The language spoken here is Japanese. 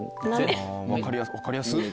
分かりやすっ。